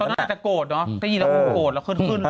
มันก็จะโกรธเนอะก็ยินแล้วมันโกรธแล้วขึ้น